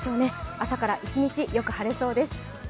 朝から一日よく晴れそうです。